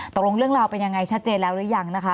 ตกลงเรื่องราวเป็นยังไงชัดเจนแล้วหรือยังนะคะ